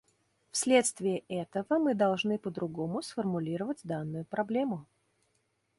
Вследствие этого мы должны по-другому сформулировать данную проблему.